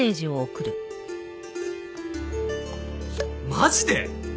「マジで！？」